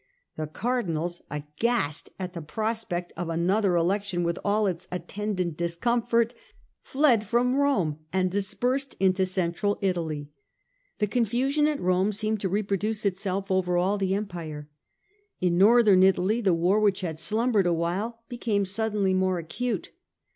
The Cardinals, aghast at the prospect of another election, with all its attendant discomforts, fled from Rome and dispersed over Central Italy. The confusion at Rome seemed to reproduce itself over all the Empire. In Northern Italy the war, which had slumbered awhile, became suddenly more acute.